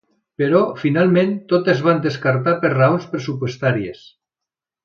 Però finalment totes es van descartar per raons pressupostàries.